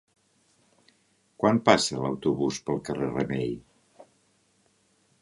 Quan passa l'autobús pel carrer Remei?